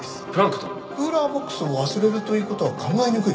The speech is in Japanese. クーラーボックスを忘れるという事は考えにくい。